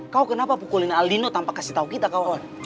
kau kenapa pukulin aldino tanpa kasih tahu kita kawan